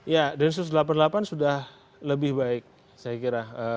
ya densus delapan puluh delapan sudah lebih baik saya kira